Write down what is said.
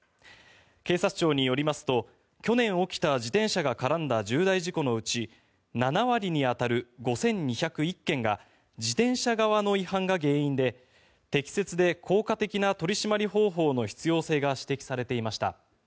警察庁によりますと、去年起きた自転車が絡んだ重大事故のうち７割に当たる５２０１件が自転車側の違反が原因で適切で効果的な取り締まり方法の必要性が指摘されていました。